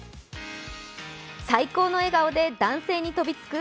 最高の笑顔で男性に飛びつく